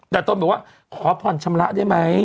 แต่ตนบอกว่าขอผ่อนชำระได้ไหม